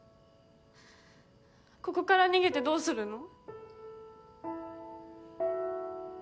ここから逃げてどうするの？